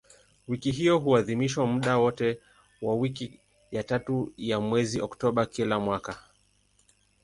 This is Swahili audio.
Wiki hiyo huadhimishwa muda wote wa wiki ya tatu ya mwezi Oktoba kila mwaka.